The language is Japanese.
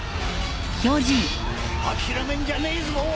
諦めんじゃねえぞ！